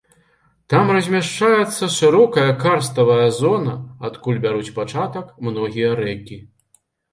Там размяшчаецца шырокая карставая зона, адкуль бяруць пачатак многія рэкі.